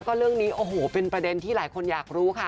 ก็เรื่องนี้โอ้โหเป็นประเด็นที่หลายคนอยากรู้ค่ะ